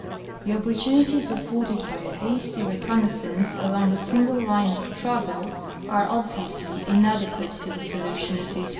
The op portunities afforded by a hasty reconnaissance along a single line of travel are obviously inadequate to the solution of these